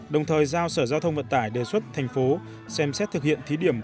đồng thời giao sở giao thông vận tải đề xuất thành phố xem xét thực hiện thí điểm